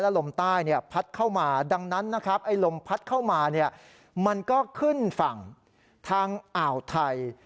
และลมใต้พัดเข้ามาดังนั้นลมพัดเข้ามามันก็ขึ้นฝั่งทางอ่าวไทย